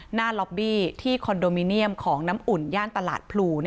ล็อบบี้ที่คอนโดมิเนียมของน้ำอุ่นย่านตลาดพลู